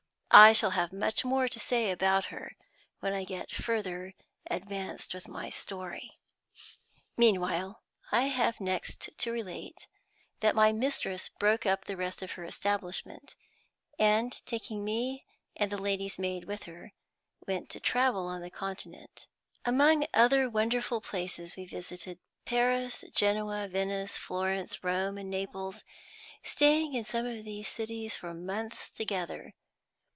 I shall have much more to say about her when I get further advanced with my story. Meanwhile I have next to relate that my mistress broke up the rest of her establishment, and, taking me and the lady's maid with her, went to travel on the Continent. Among other wonderful places we visited Paris, Genoa, Venice, Florence, Rome, and Naples, staying in some of those cities for months together.